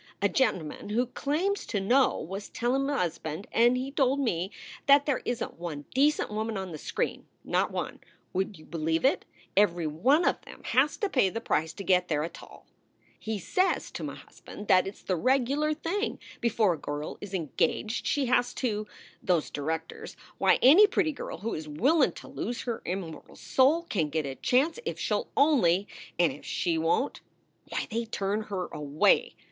"A gent man who claims to know was telling m usband and he told me that there isn t one decent woman on the screen not one. Would you b lieve it? Every one of them has to pay the Price to get there at tall. 4 He says to m usband that it s the regular thing. Before a girl is engaged she has to Those directors Why, any pretty girl who is willin to lose her immortal soul can get a chance if she ll only And if she won t why, they turn her away.